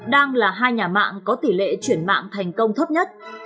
đang là hai nhà mạng có tỷ lệ chuyển mạng thành công thấp nhất